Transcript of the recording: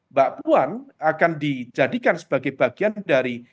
mbak puan akan dijadikan sebagai bagian dari